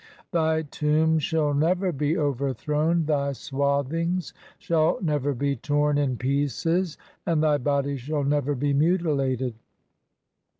Thy tomb shall never be over "thrown, thy swathings shall never be torn in pieces, "and thy body shall never be mutilated.